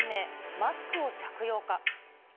マスクを着用か。